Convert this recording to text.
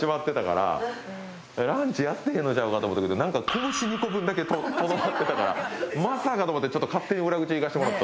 ランチやってへんのちゃうかと思ったけどなんか拳２個分だけとどまってたからまさかと思ってちょっと勝手に裏口行かせてもらったのよ。